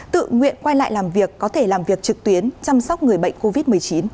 tự nguyện quay lại làm việc có thể làm việc trực tuyến chăm sóc người bệnh covid một mươi chín